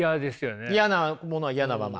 嫌なものは嫌なまま。